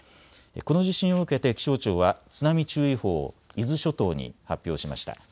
この地震を受けて気象庁は津波注意報を伊豆諸島に発表しました。